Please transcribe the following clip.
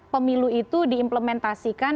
pemilu itu diimplementasikan